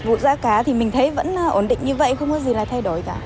vụ giá cá thì mình thấy vẫn ổn định như vậy không có gì là thay đổi cả